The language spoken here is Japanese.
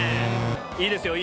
いいですよ！